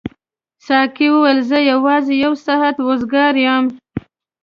ساقي وویل زه یوازې یو ساعت وزګار یم.